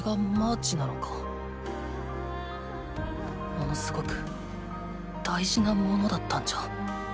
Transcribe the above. ものすごく大事なものだったんじゃ？